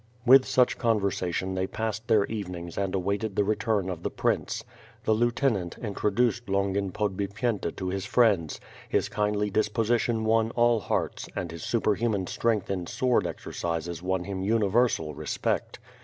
With such conversation they passed their evenings and awaited the return of the prince. The lieutenant introduced Longin Podbipyenta to his friends; his kindly disposition won all hearts, and his superhuman strength in sword exer cises won him universal respect.